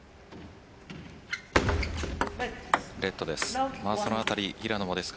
レットです。